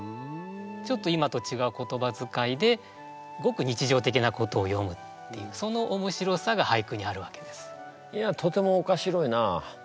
ちょっと今とちがう言葉遣いでごく日常的なことを詠むっていうそのおもしろさが俳句にあるわけです。